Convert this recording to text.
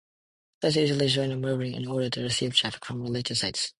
Sites usually join a webring in order to receive traffic from related sites.